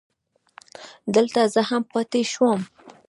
دلته زه هم پاتې شوم.